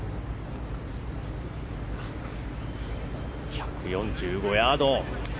１４５ヤード。